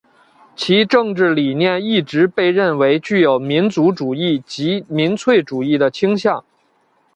其政治理念一直被认为具有民族主义及民粹主义的倾向。